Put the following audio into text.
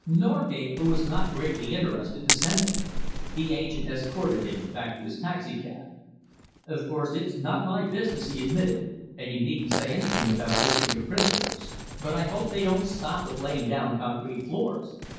Norgate, who was not greatly interested, assented. The agent escorted him back to his taxicab. "Of course, it's not my business," he admitted, "and you needn't say anything about this to your principals, but I hope they don't stop with laying down concrete floors.